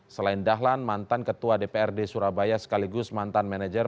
selain dahlan mantan ketua dprd surabaya sekaligus mantan manajer